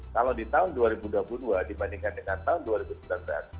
kalau di tahun dua ribu dua puluh dua dibandingkan dengan tahun dua ribu sembilan belas